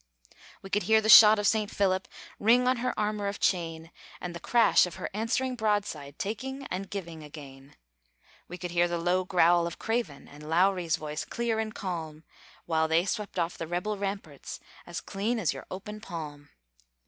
We could hear the shot of Saint Philip Ring on her armor of chain, And the crash of her answering broadside, Taking and giving again. We could hear the low growl of Craven, And Lowry's voice clear and calm, While they swept off the rebel ramparts As clean as your open palm.